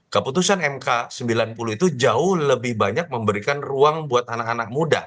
keputusan mk sembilan puluh itu jauh lebih banyak memberikan ruang buat anak anak muda